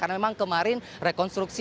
karena memang kemarin rekonstruksi